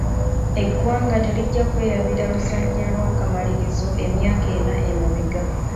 Eggwanga terijja kwerabira luzannya lw'akamalirizo emyaka ena emabega.